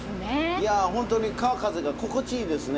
いやホントに川風が心地いいですね